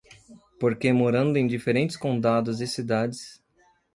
Porque morando em diferentes condados e cidades